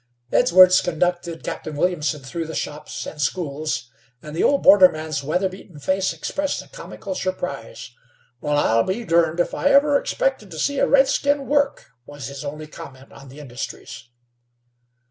Edwards conducted Captain Williamson through the shops and schools, and the old borderman's weather beaten face expressed a comical surprise. "Wal, I'll be durned if I ever expected to see a redskin work," was his only comment on the industries.